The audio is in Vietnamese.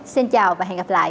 xin chào và hẹn gặp lại